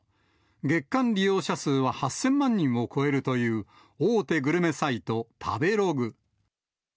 月間利用者数は８０００万人を超えるという、大手グルメサイト、食べログ。